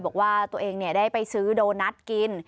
บอกว่าตัวเองได้ไปซื้อโดนัทกิน